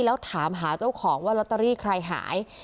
แล้วถามหาเจ้าของว่าลอตเตอรี่ใครหาย